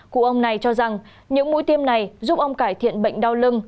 cụ ông này cho rằng những mũi tiêm này giúp ông cải thiện bệnh đau lưng